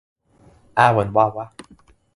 awen wawa.